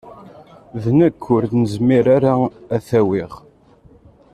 D nekk ur nezmir ara ad t-awiɣ.